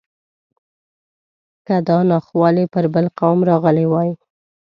که دا ناخوالې پر بل قوم راغلی وای.